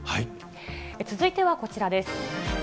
続いてはこちらです。